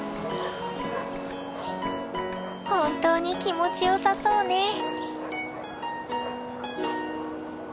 本当に気持ちよさそうね。